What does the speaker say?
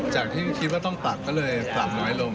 จากที่คิดว่าต้องปรับก็เลยปรับน้อยลง